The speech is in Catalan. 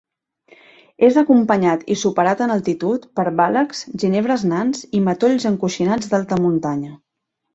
És acompanyat i superat en altitud per bàlecs, ginebres nans i matolls encoixinats d'alta muntanya.